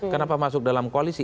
kenapa masuk dalam koalisi